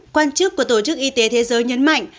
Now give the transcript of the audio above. quan chức của tổ chức y tế thế giới nhấn mạnh